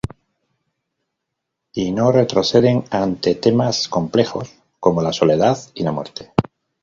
Y no retroceden ante temas complejos como la soledad y la muerte".